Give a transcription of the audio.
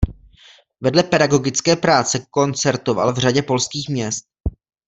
Vedle pedagogické práce koncertoval v řadě polských měst.